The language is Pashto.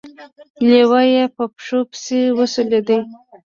لېوه يې په پښو پسې وسولېد.